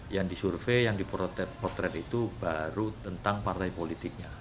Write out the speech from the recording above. yang disurvey yang dipotret itu baru tentang partai politiknya